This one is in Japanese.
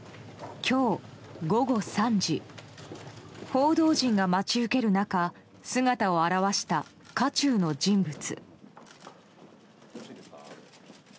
報道陣が待ち受ける中姿を現した渦中の人物。